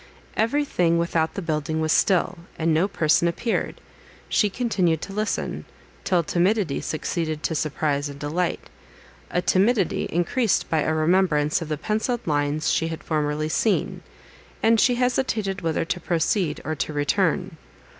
Everything without the building was still, and no person appeared. She continued to listen, till timidity succeeded to surprise and delight; a timidity, increased by a remembrance of the pencilled lines she had formerly seen, and she hesitated whether to proceed, or to return.